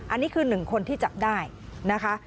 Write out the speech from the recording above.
อันนี้คือ๑คนที่จับได้นะคะ